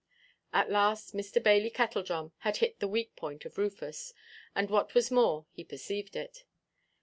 At last Mr. Bailey Kettledrum had hit the weak point of Rufus, and, what was more, he perceived it.